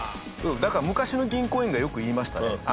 だから昔の銀行員がよく言いましたね。